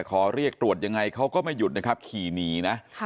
ขอเรียกตรวจยังไงเขาก็ไม่หยุดนะครับขี่หนีนะ